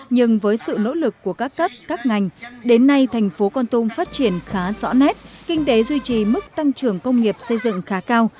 nhưng với sự nỗ lực của các cấp các ngành đến nay thành phố con tum phát triển khá rõ nét kinh tế duy trì mức tăng trưởng công nghiệp xây dựng khá cao